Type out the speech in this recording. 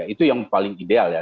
itu yang paling ideal ya